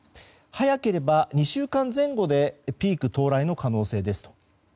早ければ２週間前後でピーク到来の可能性ですと。